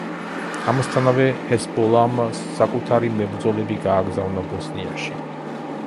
ამასთანავე ჰეზბოლამ საკუთარი მებრძოლები გაგზავნა ბოსნიაში.